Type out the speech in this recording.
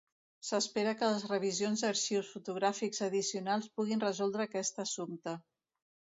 S'espera que les revisions d'arxius fotogràfics addicionals puguin resoldre aquest assumpte.